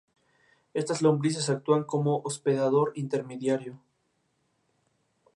El equipo olímpico pakistaní no obtuvo ninguna medalla en estos Juegos.